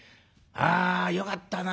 「あよかったな。